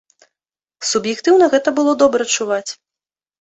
Суб'ектыўна, гэта было добра чуваць.